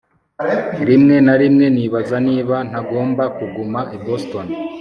Rimwe na rimwe nibaza niba ntagomba kuguma i Boston